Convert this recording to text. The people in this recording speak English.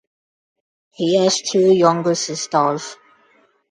He has two younger sisters.